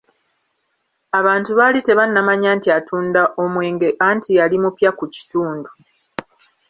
Abantu baali tebannamanya nti atunda omwenge anti yali mupya ku kitundu.